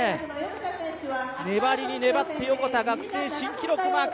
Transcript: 粘りに粘って横田が学生新記録をマーク。